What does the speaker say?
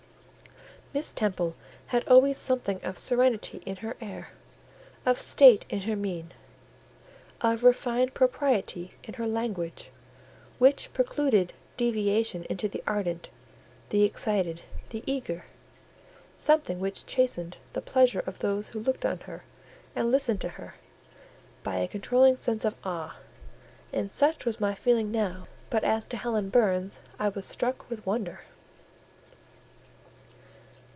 Miss Temple had always something of serenity in her air, of state in her mien, of refined propriety in her language, which precluded deviation into the ardent, the excited, the eager: something which chastened the pleasure of those who looked on her and listened to her, by a controlling sense of awe; and such was my feeling now: but as to Helen Burns, I was struck with wonder.